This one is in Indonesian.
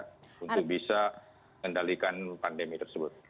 untuk bisa mengendalikan pandemi tersebut